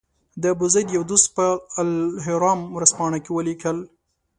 د ابوزید یو دوست په الاهرام ورځپاڼه کې ولیکل.